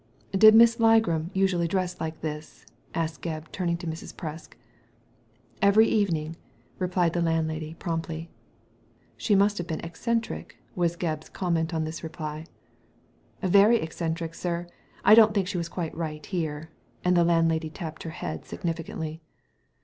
''Did Miss Ligram usually dress like this? asked Gebb, turning to Mrs. Presk. " Every evening !replied the landlady, promptly. " She must have been eccentric I " was Gebb's com ment on this reply. " Very eccentric, sir. I don't think she was quite right here. And the landlady tapped her head significantly.